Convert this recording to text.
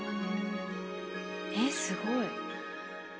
えっすごい。